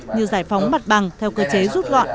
như giải phóng mặt bằng theo cơ chế rút gọn